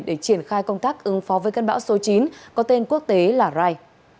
để triển khai công tác ứng phó với cơn bão số chín có tên quốc tế là rai